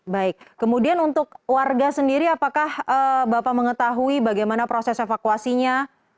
baik kemudian untuk warga sendiri apakah bapak mengetahui bagaimana proses evakuasinya